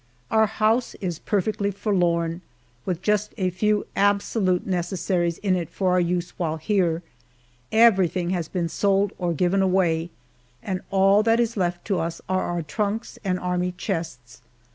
Our house is perfectly forlorn, with just a few absolute necessaries in it for our use while here. Everything has been sold or given away, and all that is left to us are our trunks and army chests.